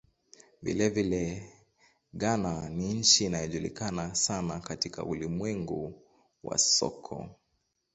Vilevile, Ghana ni nchi inayojulikana sana katika ulimwengu wa soka.